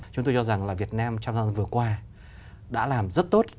chúng tôi cho rằng là việt nam trong năm vừa qua đã làm rất tốt